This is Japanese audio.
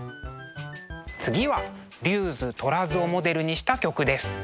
次は「龍図」「虎図」をモデルにした曲です。